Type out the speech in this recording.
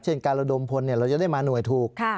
การระดมพลเราจะได้มาหน่วยถูก